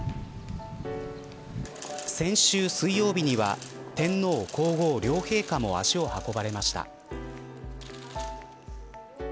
先週水曜日には天皇皇后両陛下も足を運ばれました。